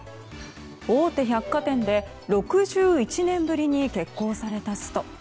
大手百貨店で６１年ぶりに決行されたスト。